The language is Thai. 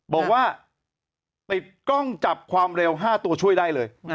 บอกว่าติดกล้องจับความเร็ว๕ตัวช่วยได้เลย